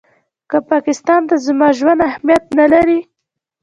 که پاکستان ته زموږ ژوند اهمیت نه لري.